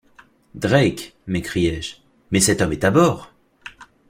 Drake! m’écriai-je, mais cet homme est à bord !